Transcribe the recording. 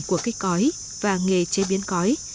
của cây cõi và nghề chế biến cõi